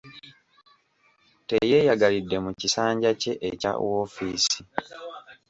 Teyeeyagalidde mu kisanja kye ekya woofiisi.